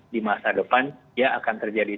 di masa depan dia akan terjadi